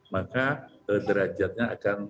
maka derajatnya akan